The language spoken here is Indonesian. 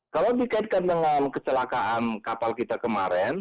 kalau dikaitkan dengan kecelakaan kapal kita kemarin